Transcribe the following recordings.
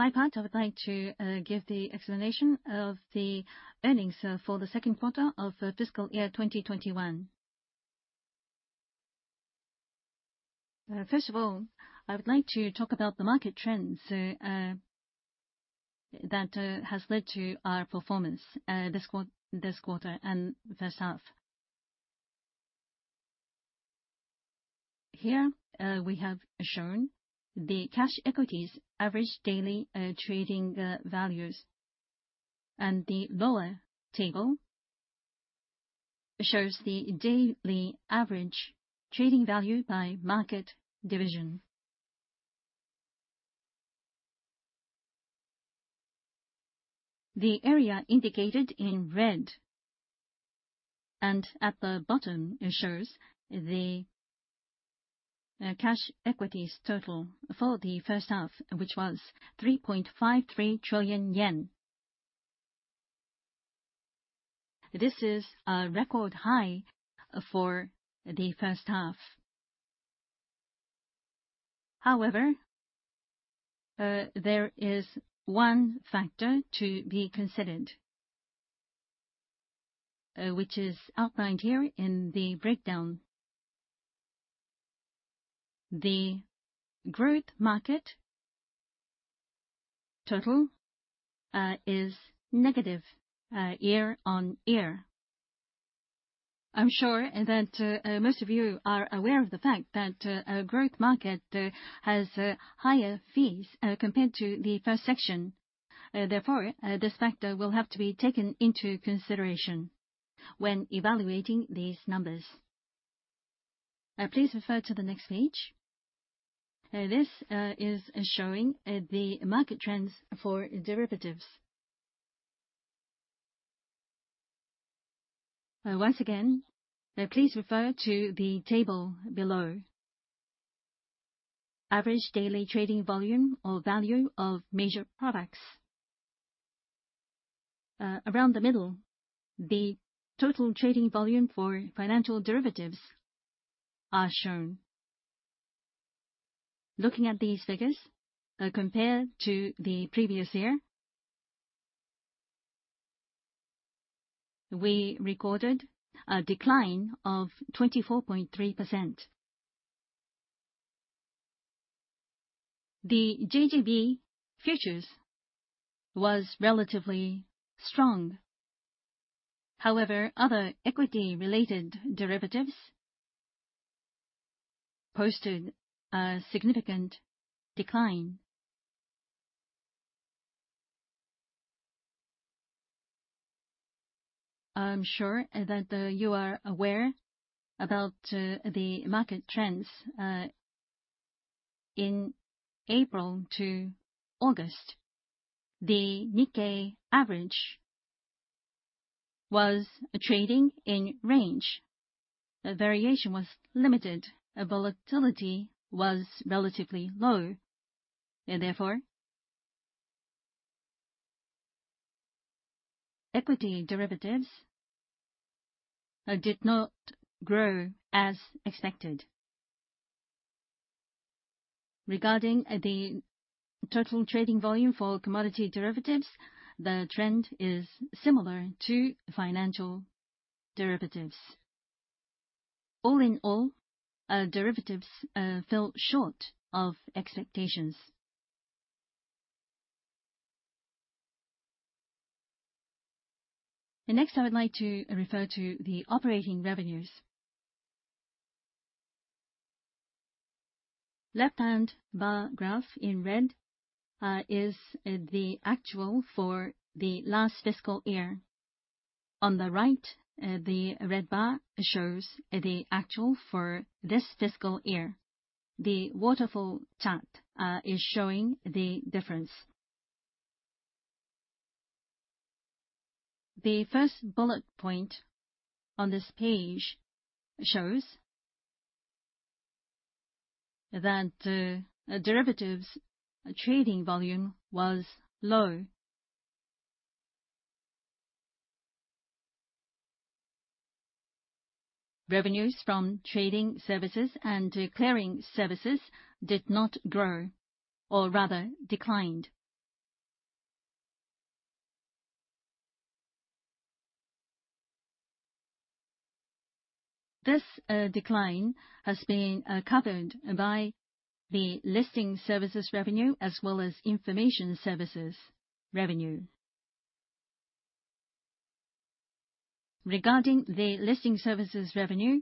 On my part, I would like to give the explanation of the earnings for the second quarter of fiscal year 2021. First of all, I would like to talk about the market trends that has led to our performance this quarter and first half. Here, we have shown the cash equities average daily trading values. The lower table shows the daily average trading value by market division. The area indicated in red and at the bottom shows the cash equities total for the first half, which was 3.53 trillion yen. This is a record high for the first half. However, there is one factor to be considered, which is outlined here in the breakdown. The Growth Market total is negative year-on-year. I'm sure that most of you are aware of the fact that a Growth Market has higher fees compared to the First Section. Therefore, this factor will have to be taken into consideration when evaluating these numbers. Please refer to the next page. This is showing the market trends for derivatives. Once again, please refer to the table below. Average daily trading volume or value of major products. Around the middle, the total trading volume for financial derivatives are shown. Looking at these figures, compared to the previous year, we recorded a decline of 24.3%. The JGB futures was relatively strong. However, other equity-related derivatives posted a significant decline. I'm sure that you are aware about the market trends in April to August. The Nikkei average was trading in range. The variation was limited. Volatility was relatively low and therefore, equity derivatives did not grow as expected. Regarding the total trading volume for commodity derivatives, the trend is similar to financial derivatives. All in all, derivatives fell short of expectations. Next, I would like to refer to the operating revenues. Left-hand bar graph in red is the actual for the last fiscal year. On the right, the red bar shows the actual for this fiscal year. The waterfall chart is showing the difference. The first bullet point on this page shows that derivatives trading volume was low. Revenues from trading services and clearing services did not grow, or rather declined. This decline has been covered by the listing services revenue as well as information services revenue. Regarding the listing services revenue,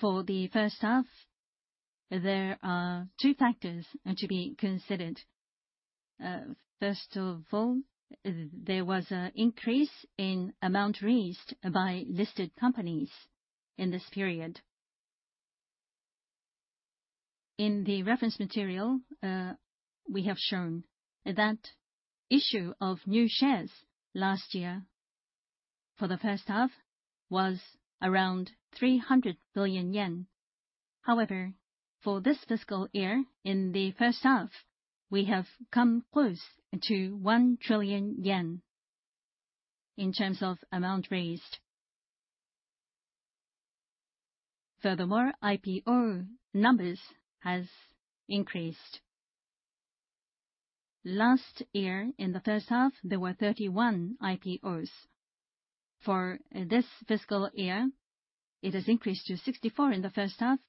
for the first half, there are two factors to be considered. First of all, there was an increase in amount raised by listed companies in this period. In the reference material, we have shown that issue of new shares last year for the first half was around 300 billion yen. However, for this fiscal year, in the first half, we have come close to 1 trillion yen in terms of amount raised. Furthermore, IPO numbers has increased. Last year in the first half, there were 31 IPOs. For this fiscal year, it has increased to 64 in the first half,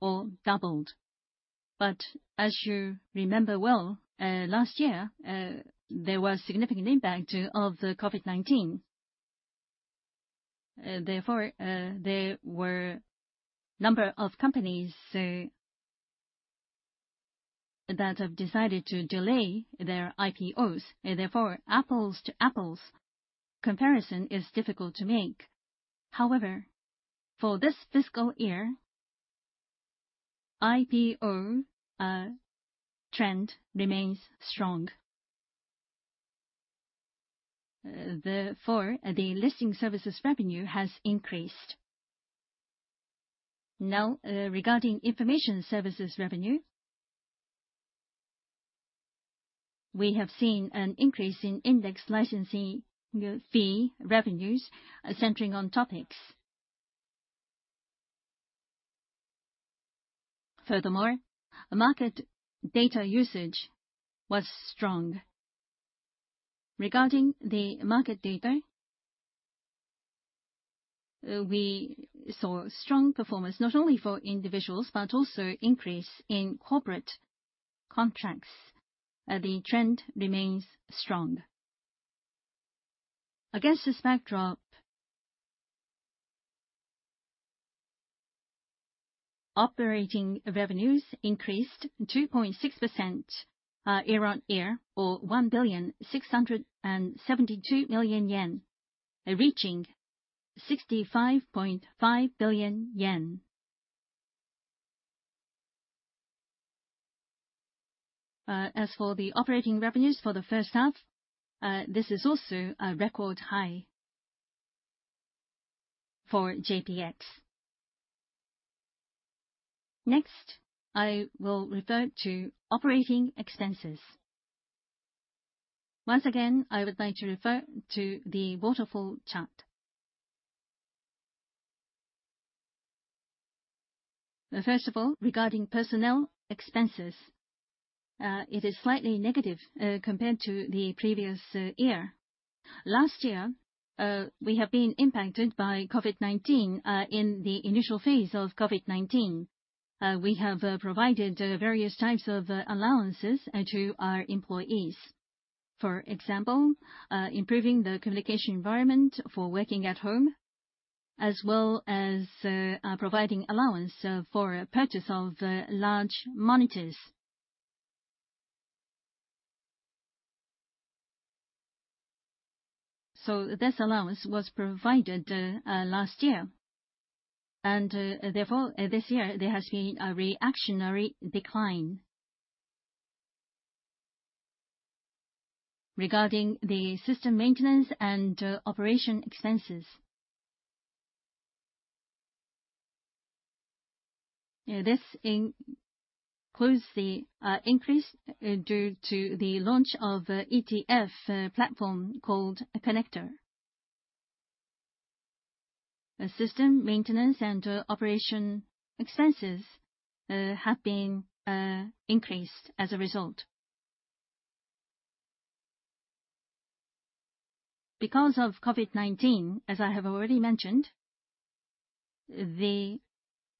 or doubled. As you remember well, last year there was significant impact of the COVID-19. Therefore, there were number of companies that have decided to delay their IPOs, therefore, apples to apples comparison is difficult to make. However, for this fiscal year, IPO trend remains strong. Therefore, the listing services revenue has increased. Now, regarding information services revenue, we have seen an increase in index licensing fee revenues centering on TOPIX. Furthermore, market data usage was strong. Regarding the market data, we saw strong performance, not only for individuals, but also increase in corporate contracts. The trend remains strong. Against this backdrop, operating revenues increased 2.6% year-on-year or JPY 1.672 billion, reaching JPY 65.5 billion. As for the operating revenues for the first half, this is also a record high for JPX. Next, I will refer to operating expenses. Once again, I would like to refer to the waterfall chart. First of all, regarding personnel expenses, it is slightly negative compared to the previous year. Last year, we have been impacted by COVID-19 in the initial phase of COVID-19. We have provided various types of allowances to our employees. For example, improving the communication environment for working at home, as well as providing allowance for purchase of large monitors. This allowance was provided last year, and therefore, this year there has been a reactionary decline. Regarding the system maintenance and operation expenses, this includes the increase due to the launch of ETF platform called CONNEQTOR. The system maintenance and operation expenses have been increased as a result. Because of COVID-19, as I have already mentioned, the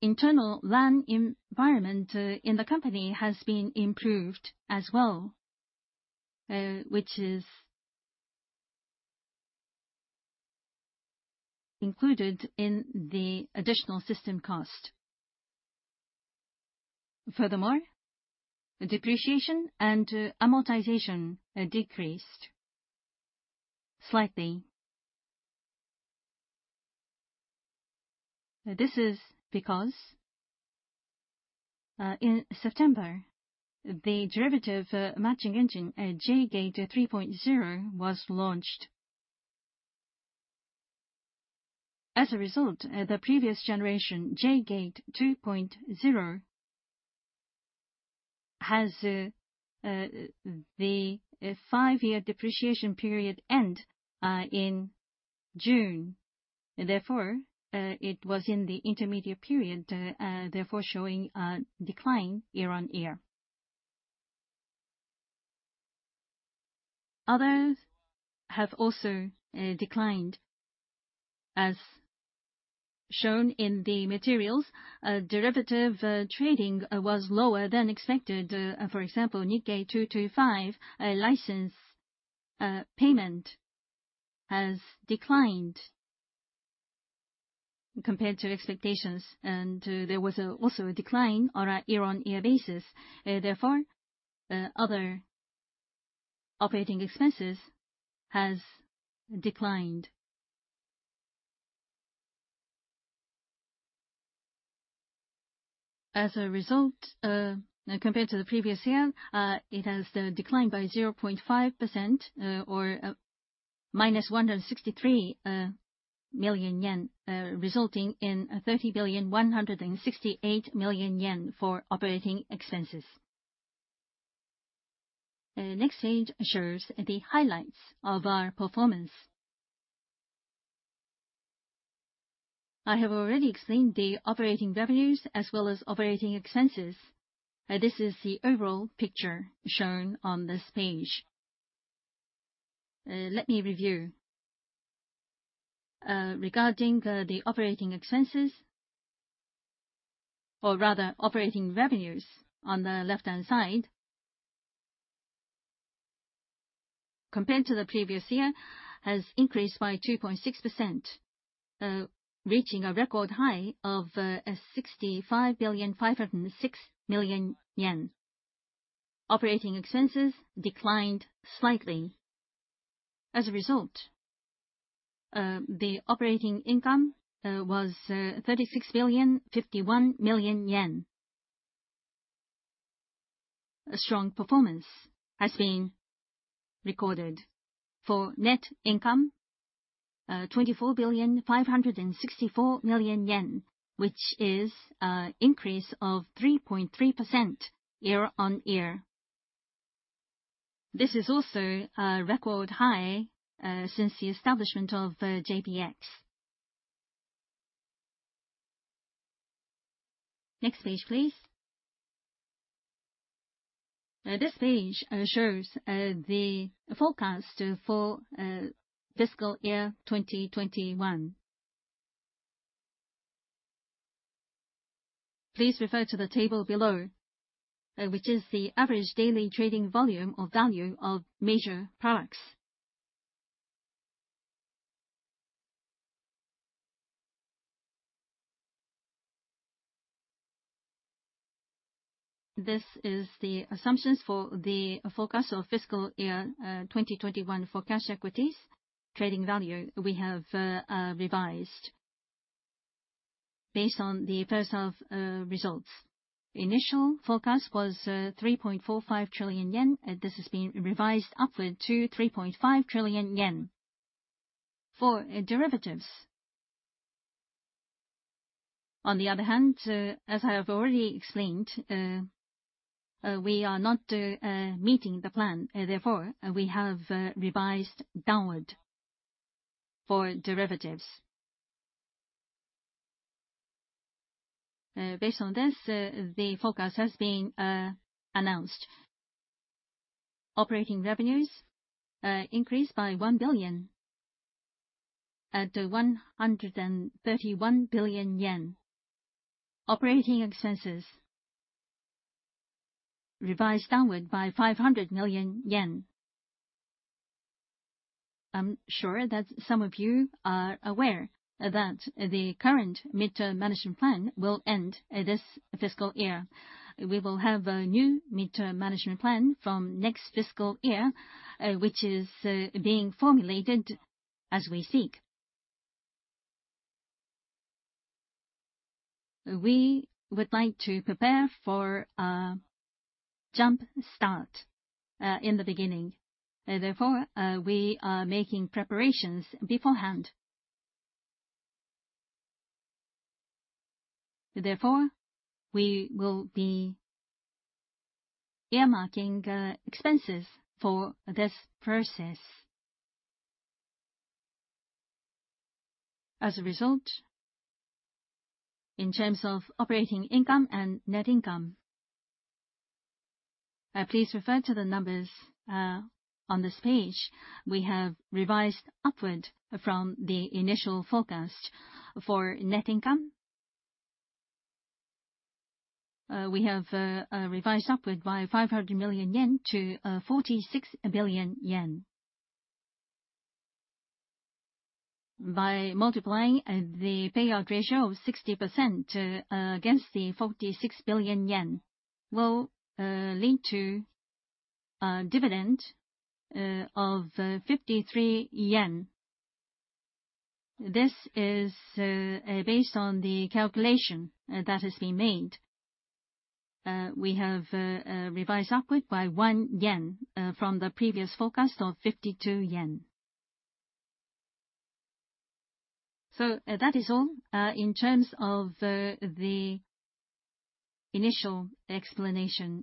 internal LAN environment in the company has been improved as well, which is included in the additional system cost. Furthermore, depreciation and amortization decreased slightly. This is because, in September, the derivative matching engine, J-GATE 3.0 was launched. As a result, the previous generation, J-GATE 2.0, has the five-year depreciation period end in June. Therefore, it was in the intermediate period, therefore showing a decline year-on-year. Others have also declined. As shown in the materials, derivative trading was lower than expected. For example, Nikkei 225 license payment has declined compared to expectations, and there was also a decline on a year-on-year basis. Therefore, other operating expenses has declined. As a result, compared to the previous year, it has declined by 0.5% or -163 million yen, resulting in 30.168 billion for operating expenses. The next page shows the highlights of our performance. I have already explained the operating revenues as well as operating expenses. This is the overall picture shown on this page. Let me review. Regarding the operating expenses, or rather operating revenues on the left-hand side, compared to the previous year has increased by 2.6%, reaching a record high of 65.506 billion. Operating expenses declined slightly. As a result, the operating income was JPY 36.051 billion. A strong performance has been recorded for net income, 24.564 billion, which is an increase of 3.3% year-on-year. This is also a record high since the establishment of JPX. Next page, please. Now this page shows the forecast for fiscal year 2021. Please refer to the table below, which is the average daily trading volume or value of major products. This is the assumptions for the forecast of fiscal year 2021 for cash equities trading value we have revised based on the first half results. Initial forecast was 3.45 trillion yen. This has been revised upward to 3.5 trillion yen for derivatives. On the other hand, as I have already explained, we are not meeting the plan, therefore we have revised downward for derivatives. Based on this, the forecast has been announced. Operating revenues increased by 1 billion to 131 billion yen. Operating expenses revised downward by JPY 500 million. I'm sure that some of you are aware that the current Medium-Term Management Plan will end this fiscal year. We will have a new Medium-Term Management Plan from next fiscal year, which is being formulated as we speak. We would like to prepare for a jump start in the beginning. Therefore, we are making preparations beforehand. Therefore, we will be earmarking expenses for this process. As a result, in terms of operating income and net income, please refer to the numbers on this page. We have revised upward from the initial forecast. For net income, we have revised upward by 500 million yen to 46 billion yen. By multiplying the payout ratio of 60% against the 46 billion yen will lead to a dividend of 53 yen. This is based on the calculation that has been made. We have revised upward by 1 yen from the previous forecast of 52 yen. That is all in terms of the initial explanation.